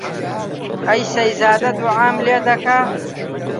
ئەی سەیزادە دووعام لێ دەکا